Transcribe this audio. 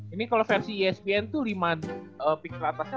ini kalo versi espn tuh lima pick keatasnya